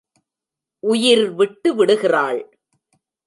உயிர் விட்டு விடுகிறாள்.